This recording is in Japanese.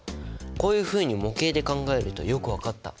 こういうふうに模型で考えるとよく分かった。